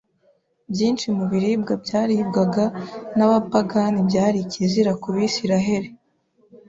Byinshi mu biribwa byaribwagwa n’abapagani byari ikizira ku Bisiraheli.